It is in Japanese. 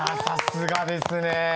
さすがですね。